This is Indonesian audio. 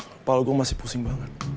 kepala agung masih pusing banget